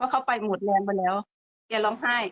ว่าเข้าไปหมดแรงไปแล้วอย่าร้องไห้